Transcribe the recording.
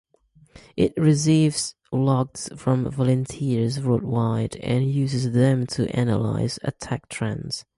It receives logs from volunteers worldwide and uses them to analyze attack trends.